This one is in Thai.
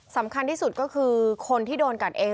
สำคัญที่สุดก็คือคนที่โดนกัดเอง